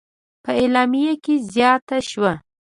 په اعلامیه کې زیاته شوې: